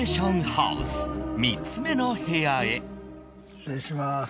失礼します。